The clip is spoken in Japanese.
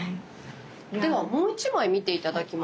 ではもう一枚見て頂きましょう。